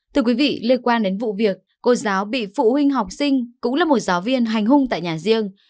thưa quý vị liên quan đến vụ việc cô giáo bị phụ huynh học sinh cũng là một giáo viên hành hung tại nhà riêng